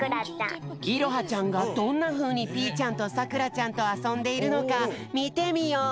いろはちゃんがどんなふうにピーちゃんとさくらちゃんとあそんでいるのかみてみよう！